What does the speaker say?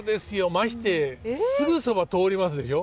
ましてすぐ側通りますでしょ。